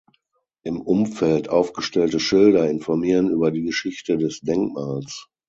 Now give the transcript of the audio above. Im Umfeld aufgestellte Schilder informieren über die Geschichte des Denkmals.